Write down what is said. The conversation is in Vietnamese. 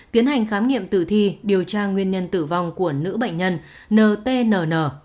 tiến hành khám nghiệm tử thi điều tra nguyên nhân tử vong của nữ bệnh nhân ntn